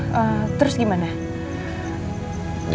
hah terus gimana